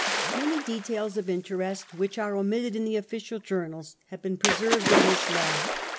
Many details of interest which are omitted in the official journals have been pre served in this log.